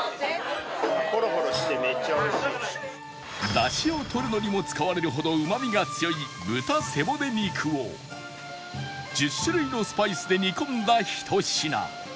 ダシを取るのにも使われるほどうまみが強い豚背骨肉を１０種類のスパイスで煮込んだひと品